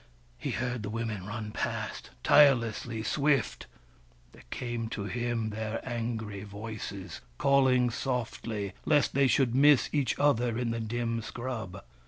He heard the Women run past, tirelessly swift ; there came to him their angry voices, calling softly, lest they should miss each other in the dim scrub.